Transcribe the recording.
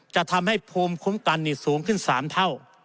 จะทำให้ภูมิคุ้มกันสูงขึ้น๓เท่า